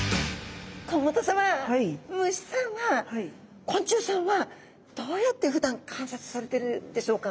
甲本さま虫さんは昆虫さんはどうやってふだん観察されてるでしょうか？